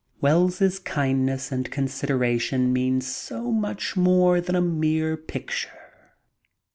Wells's kindness and consideration mean so much more than a mere picture.